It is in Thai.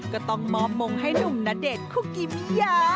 ก็ต้องมอบมงให้หนุ่มณเดชน์คุกิมิยา